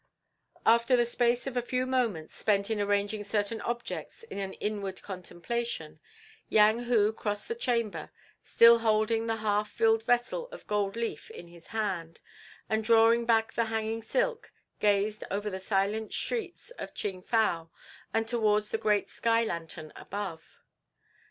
After the space of a few moments spent in arranging certain objects and in inward contemplation, Yang Hu crossed the chamber, still holding the half filled vessel of gold leaf in his hand, and drawing back the hanging silk, gazed over the silent streets of Ching fow and towards the great sky lantern above.